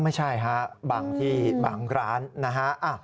ไม่ใช่ฮะบางที่บางร้านนะฮะ